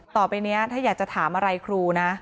ต่อไปนี้ถ้าอยากจะถามอะไรครูนะ